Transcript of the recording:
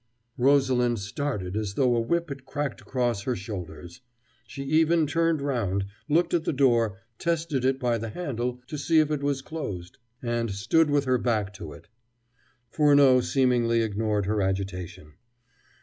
Rosalind started as though a whip had cracked across her shoulders. She even turned round, looked at the door, tested it by the handle to see if it was closed, and stood with her back to it. Furneaux seemingly ignored her agitation.